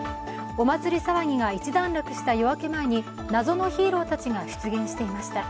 お祭り騒ぎが一段落した夜明け前に謎のヒーローたちが出現していました。